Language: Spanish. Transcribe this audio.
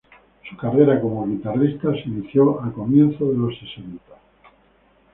Su carrera como guitarrista se inició a comienzo de los sesenta.